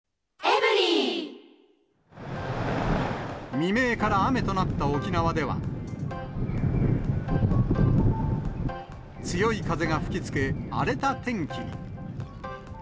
未明から雨となった沖縄では、強い風が吹きつけ、荒れた天気に。